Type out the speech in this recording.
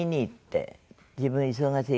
自分忙しいから。